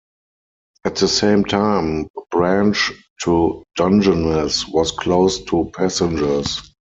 At the same time, the branch to Dungeness was closed to passengers.